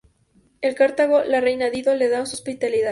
En Cartago, la reina Dido le da su hospitalidad.